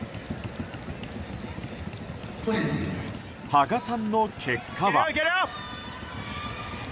芳我さんの結果は。